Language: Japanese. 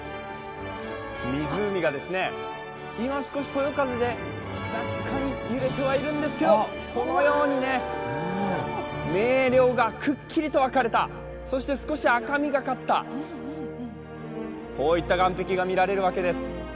湖が今少しそよ風で若干揺れてはいるんですけど、このように明瞭がくっきりと分かれたそして少し赤みがかった岸壁が見られるわけです。